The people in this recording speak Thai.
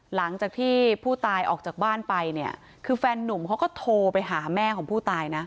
หลังจากที่ผู้ตายออกจากบ้านไปเนี่ยคือแฟนนุ่มเขาก็โทรไปหาแม่ของผู้ตายนะ